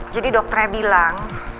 jadi dokternya bilang